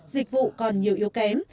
dịch vụ còn nhiều yếu kém